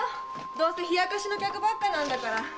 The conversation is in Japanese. どうせひやかしの客ばっかなんだ。